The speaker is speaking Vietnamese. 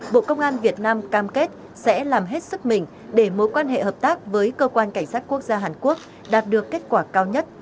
bộ công an việt nam cam kết sẽ làm hết sức mình để mối quan hệ hợp tác với cơ quan cảnh sát quốc gia hàn quốc đạt được kết quả cao nhất